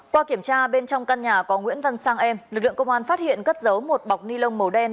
qua kiểm tra bên trong căn nhà có nguyễn văn sang em lực lượng công an phát hiện cất giấu một bọc ni lông màu đen